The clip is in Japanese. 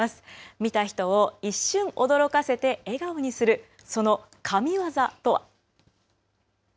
見た人を一瞬、驚かせて笑顔にする、その紙技とは。